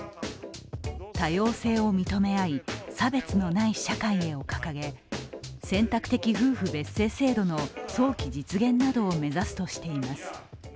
「多様性を認め合い差別のない社会へ」を掲げ選択的夫婦別姓制度の早期実現などを目指すとしています。